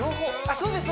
そうです